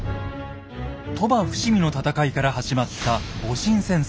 鳥羽・伏見の戦いから始まった戊辰戦争。